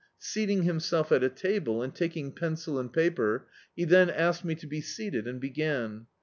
Seating himself at a table, and taking pencil and paper, he then asked me to be seated and began.